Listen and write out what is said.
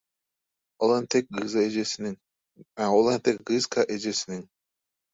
Ol entek gyzka ejesiniň: